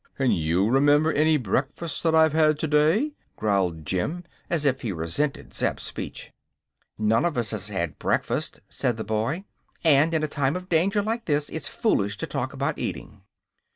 Can you remember any breakfast that I've had today?" growled Jim, as if he resented Zeb's speech. "None of us has had breakfast," said the boy; "and in a time of danger like this it's foolish to talk about eating."